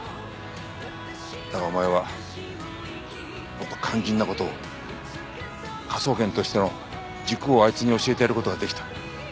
だがお前はもっと肝心な事を科捜研としての軸をあいつに教えてやる事が出来た。